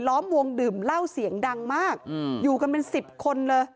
ล้อมวงดื่มเหล้าเสียงดังมากอยู่กันเป็นสิบคนเลย